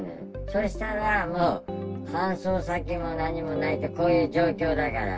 そしたら、もう搬送先も何もないと、こういう状況だから。